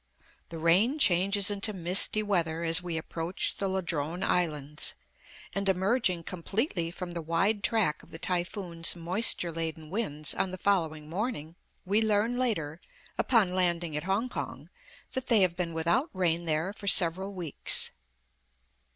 The rain changes into misty weather as we approach the Ladrone Islands, and, emerging completely from the wide track of the typhoon's moisture laden winds on the following morning, we learn later, upon landing at Hong kong, that they have been without rain there for several weeks.